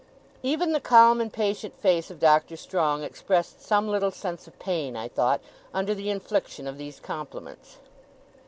Even the calm and patient face of Doctor Strong expressed some little sense of pain, I thought, under the infliction of these compliments.